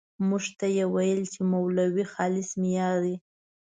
موږ ته یې ويل چې مولوي خالص مې يار دی.